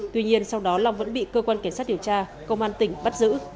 tuy nhiên sau đó long vẫn bị cơ quan kiểm soát điều tra công an tỉnh bắt giữ